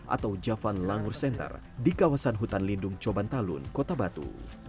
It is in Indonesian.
atau javan langur center di kawasan hutan lindung coban talun kota batu